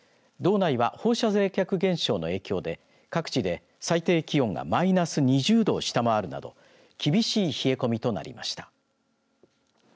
道内は放射冷却現象の影響で各地で最低気温がマイナス２０度を下回るなど厳しい冷え込みとなりました。